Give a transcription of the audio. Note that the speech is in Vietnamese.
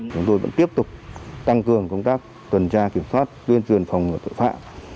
chúng tôi vẫn tiếp tục tăng cường công tác tuần tra kiểm soát tuyên truyền phòng ngừa tội phạm